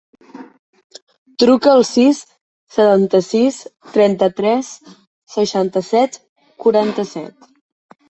Truca al sis, setanta-sis, trenta-tres, seixanta-set, quaranta-set.